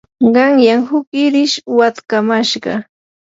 qanyan huk irish watkamashqam.